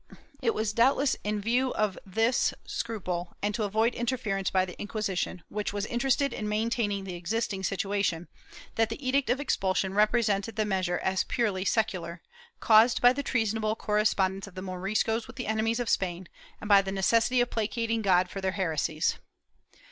^ It was doubtless in view of this scruple, and to avoid interference by the Inquisi tion, which was interested in maintaining the existing situation, that the edict of expulsion represented the measure as purely secular, caused by the treasonable correspondence of the Moriscos with the enemies of Spain, and by the necessity of placating God for their heresies.